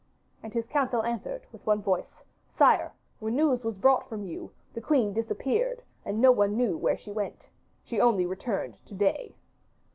And his council answered with one voice, 'Sire, when news was brought from you the queen disappeared and no one knew where she went. She only returned to day.